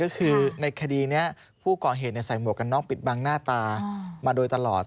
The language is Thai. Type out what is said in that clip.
ก็คือในคดีนี้ผู้ก่อเหตุใส่หมวกกันน็อกปิดบังหน้าตามาโดยตลอด